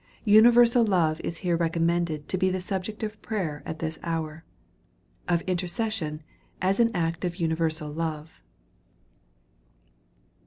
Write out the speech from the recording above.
Universal love is here recommended to be the subject of prayer at this hour. Of intercession^ as an act of universal love.